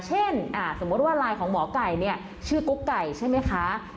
สมมุติว่าไลน์ของหมอไก่เนี่ยชื่อกุ๊กไก่ใช่ไหมคะ